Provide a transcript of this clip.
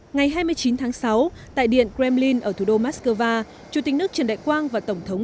ngày hai mươi chín tháng sáu tại điện kremlin ở thủ đô moscow chủ tịch nước trần đại quang và tổng thống